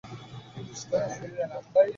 কী মিষ্টি হাসি, মুগ্ধা!